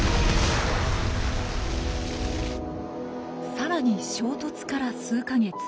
さらに衝突から数か月。